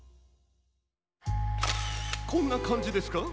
こんなかんじですか？